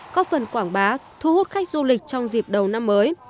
có phần quảng bá thu hút khách du lịch trong dịp đầu năm mới